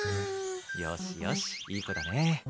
よしよし、いい子だね。